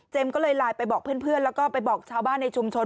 ก็เลยไลน์ไปบอกเพื่อนแล้วก็ไปบอกชาวบ้านในชุมชน